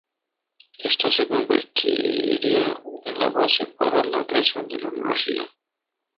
Esta se convertiría en la base para la creación de la universidad.